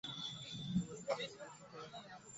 রমেশ কহিল, মসলা নাহয় আর কাহাকেও দিয়া পিষাইয়া আনিতেছি।